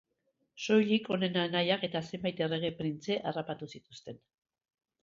Soilik honen anaiak eta zenbait errege printze harrapatu zituzten.